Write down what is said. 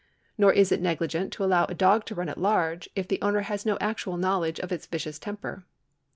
^ Nor is it negligent to allow a dog to run at large, if the owner has no actual knowledge of its vicious temper.